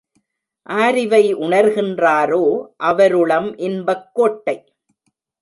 ஆரிவை உணர்கின் றாரோ அவருளம் இன்பக் கோட்டை.